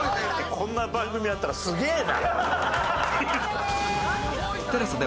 こんな番組あったらすげえな！